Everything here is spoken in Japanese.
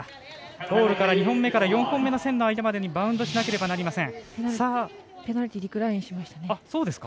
ゴールから２本目から４本目の線でバウンドしなければなりません。